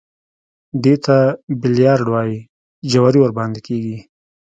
دې ته بيليارډ وايي جواري ورباندې کېږي.